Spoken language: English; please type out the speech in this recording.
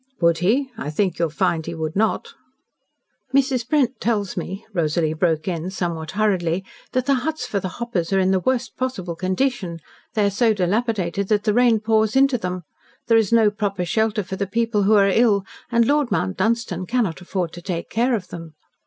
"Would he? I think you'll find he would not." "Mrs. Brent tells me," Rosalie broke in somewhat hurriedly, "that the huts for the hoppers are in the worst possible condition. They are so dilapidated that the rain pours into them. There is no proper shelter for the people who are ill, and Lord Mount Dunstan cannot afford to take care of them."